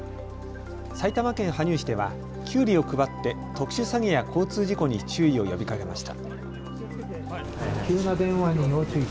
埼玉県羽生市ではきゅうりを配って特殊詐欺や交通事故に注意を呼びかけました。